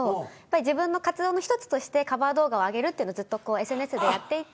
自分の活動の１つとしてカバー動画を上げるっていうのをずっとＳＮＳでやっていて。